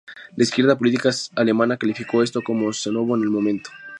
La izquierda política alemana calificó esto como xenófobo en el momento.